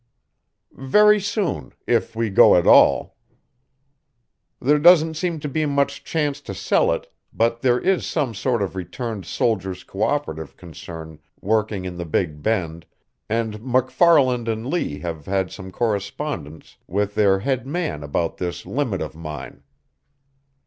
"Very soon if we go at all. There doesn't seem to be much chance to sell it, but there is some sort of returned soldiers' cooperative concern working in the Big Bend, and MacFarlan and Lee have had some correspondence with their head man about this limit of mine.